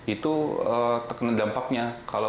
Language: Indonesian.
itu terkena dampaknya